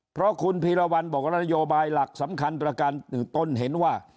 เพราะคุณพีรวรรณบอกว่านโยบายหลักสำคัญประกันต้นเห็นว่า